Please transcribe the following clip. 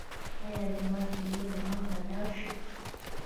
ایا زما ځیګر به له منځه لاړ شي؟